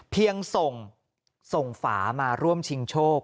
ส่งส่งฝามาร่วมชิงโชค